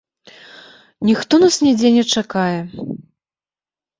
Ніхто нас нідзе не чакае.